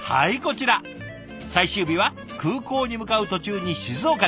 最終日は空港に向かう途中に静岡で。